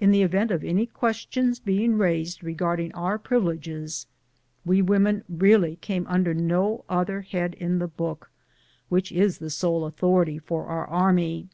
In the event of any question being raised regarding our privileges, we women really came under no other head in the book which is the sole authority for our army.